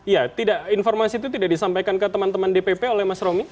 ya tidak informasi itu tidak disampaikan ke teman teman dpp oleh mas romi